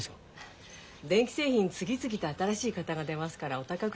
電気製品次々と新しい型が出ますからお高く引き取れないんです。